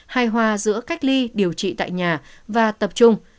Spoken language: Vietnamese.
hài hòa giữa cách ly điều trị tại nhà và tập trung